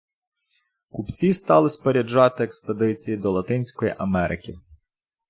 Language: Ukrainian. Купці стали споряджати експедиції до Латинської Америки.